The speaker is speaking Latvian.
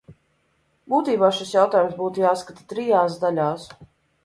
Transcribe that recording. Būtībā šis jautājums būtu jāskata trijās daļās.